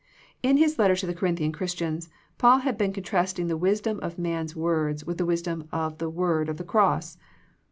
In his letter to the Corinthian Christians Paul had been contrasting the wisdom of men's words with the wisdom of the Word of the Cross.